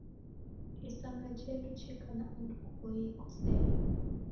Isanga jedu jeka na andu kupoiye kosela